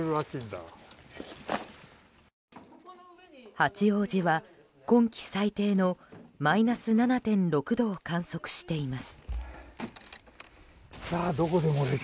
八王子は今季最低のマイナス７．６度を観測しています。